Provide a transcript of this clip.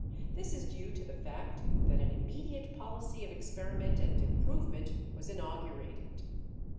This is due to the fact that an immediate policy of experiment and improvement was inaugurated.